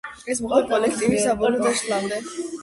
ეს მოხდა კოლექტივის საბოლოო დაშლამდე.